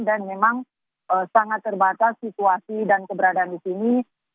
dan memang sangat terbatas situasi dan keberadaan di sini